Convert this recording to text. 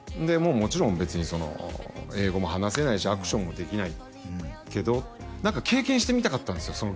もちろん別にその英語も話せないしアクションもできないけど何か経験してみたかったんですよ